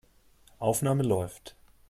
Aufnahme läuft.